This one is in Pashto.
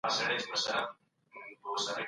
د مشرانو پریکړې ومنئ.